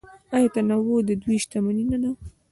آیا تنوع د دوی شتمني نه ده؟